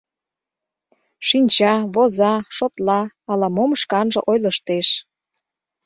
Шинча, воза, шотла, ала-мом шканже ойлыштеш...